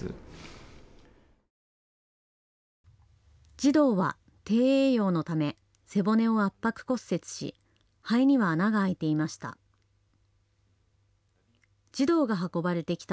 児童は低栄養のため背骨を圧迫骨折し肺には穴が開いていました。